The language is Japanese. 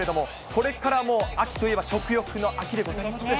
これから秋といえば食欲の秋でございます。